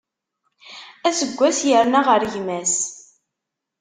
Aseggas yerna ɣer gma-s.